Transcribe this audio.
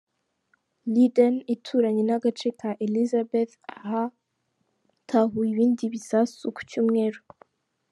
Linden ituranye n'agace ka Elizabeth ahatahuwe ibindi bisasu ku Cyumweru.